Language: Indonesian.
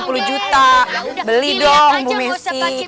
beli dong bu messi